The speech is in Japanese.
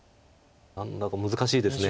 何だか難しいです。